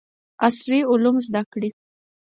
عصري علوم زده کړي.